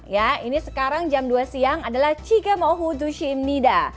ya ini sekarang jam dua siang adalah chigemo hu dushim nida